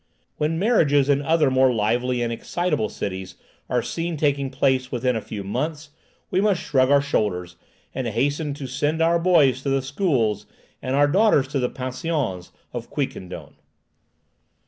When marriages in other more lively and excitable cities are seen taking place within a few months, we must shrug our shoulders, and hasten to send our boys to the schools and our daughters to the pensions of Quiquendone.